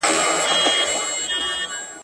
ستاسو نظر زموږ لپاره مهم دی.